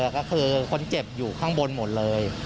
ก็คือคนเจ็บอยู่ข้างบนหมดเลย